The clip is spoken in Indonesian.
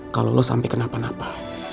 kalau lo sampai kenapa napa